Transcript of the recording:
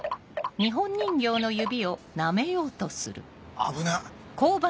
危なっ。